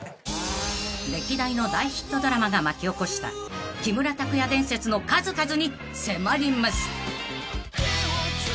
［歴代の大ヒットドラマが巻き起こした木村拓哉伝説の数々に迫ります］